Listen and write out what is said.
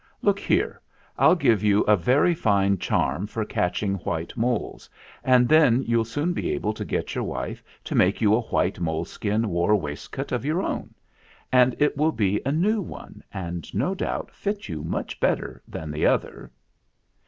Look here, I'll give you a very fine charm for catching white moles, and then you'll soon be able to get your wife to make you a white mole skin war waistcoat of your own. And it will be a new one, and no doubt fit you much better than the other."